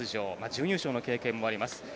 準優勝の経験もあります。